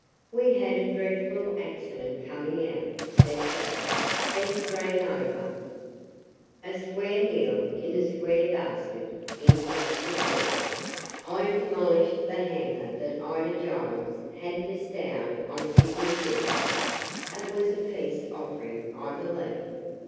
"We had a dreadful accident coming out," said Belle. "Bess ran over " "A square meal in a square basket," interrupted Bess. "I demolished the hamper that Ida Giles had bestowed on Sidney Wilcox. It was a peace offering, I believe."